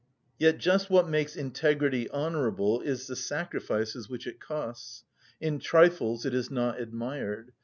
Yet just what makes integrity honourable is the sacrifices which it costs; in trifles it is not admired.